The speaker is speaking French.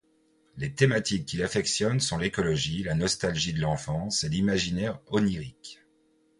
Les thématiques qu'il affectionne sont l'écologie, la nostalgie de l'enfance et l'imaginaire onirique.